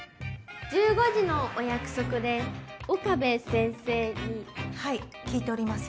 １５時のお約束で岡部先生にはい聞いております